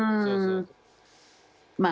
まあ